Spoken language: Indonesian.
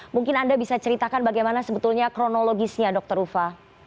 mungkin anda bisa ceritakan bagaimana sebetulnya kronologisnya dr ufa